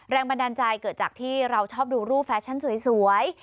แรงบันดาลใจเกิดจากที่เราชอบดูรูปแฟชั่นสวย